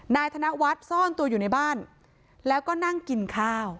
ธนวัฒน์ซ่อนตัวอยู่ในบ้านแล้วก็นั่งกินข้าว